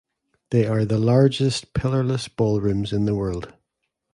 They are the largest pillarless ballrooms in the world.